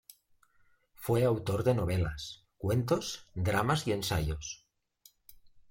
Fue autor de novelas, cuentos, dramas y ensayos.